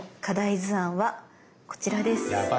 図案はこちらです。